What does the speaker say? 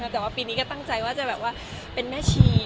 แต่ว่าปีนี้ก็ตั้งใจว่าจะแบบว่าเป็นแม่ชี